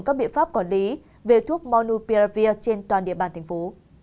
các biện pháp quản lý về thuốc monopiravir trên toàn địa bàn thành phố